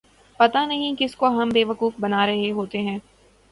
پتہ نہیں کس کو ہم بے وقوف بنا رہے ہوتے ہیں۔